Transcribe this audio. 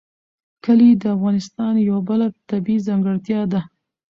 کلي د افغانستان یوه بله طبیعي ځانګړتیا ده.